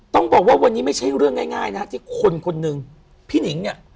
ต้องบอกว่าวันนี้ไม่ใช่เรื่องง่ายนะฮะที่คนคนหนึ่งพี่หนิงเนี่ย